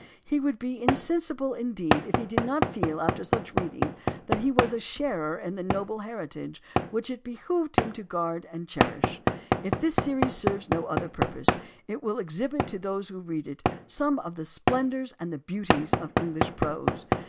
He would be insensible, indeed, if he did not feel after such reading that he was a sharer in the noble heritage which it behooved him to guard and cherish. If this series serves no other purpose, it will exhibit to those who read it some of the splendors and the beauties of English prose.